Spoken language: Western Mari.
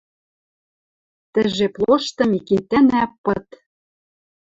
Тӹ жеп лошты Микитӓнӓ пыт